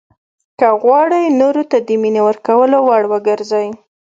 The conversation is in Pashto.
که غواړئ نورو ته د مینې ورکولو وړ وګرځئ.